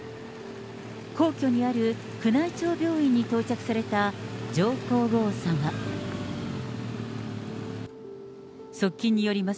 皇居にある宮内庁病院に到着された、上皇后さま。